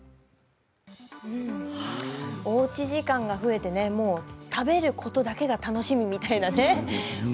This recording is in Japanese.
おうち時間が増えて食べることだけが楽しみみたいなね。